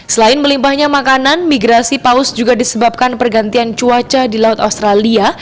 selain melimpahnya makanan migrasi paus juga disebabkan pergantian cuaca di laut australia